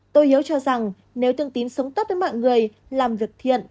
tôi hiếu cho rằng nếu thương tín sống tốt với mọi người làm việc thiện